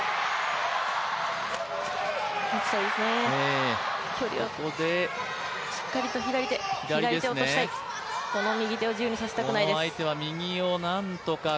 持ちたいですね、しっかりと左手を落としたいこの右手を自由にさせたくないです。